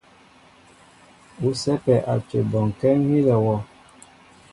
U sɛ́pɛ́ a cə bɔnkɛ́ ŋ́ hílɛ wɔ.